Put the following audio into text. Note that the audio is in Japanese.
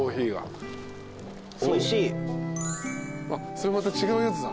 それまた違うやつだ。